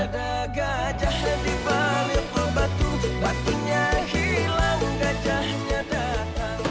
lihat ya di balik pulang batu batunya hilang gajahnya datang